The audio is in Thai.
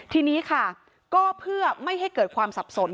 ทีนี้ค่ะก็เพื่อไม่ให้เกิดความสับสน